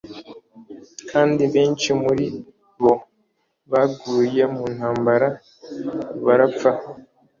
kandi benshi muri bo baguye mu ntambara barapfa